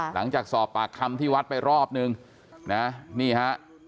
หลังจากสอบปากคำที่วัดไปรอบนึงนะนี่ฮะ